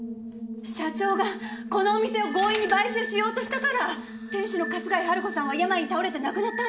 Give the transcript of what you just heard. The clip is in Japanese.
社長がこのお店を強引に買収しようとしたから店主の春日井春子さんは病に倒れて亡くなったんですよ！